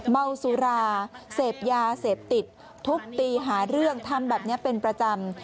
เมาสุราเสพยาเสพติดทุบตีหาเรื่องทำแบบนี้เป็นประจำ